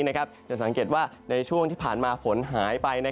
จะสังเกตว่าในช่วงที่ผ่านมาฝนหายไป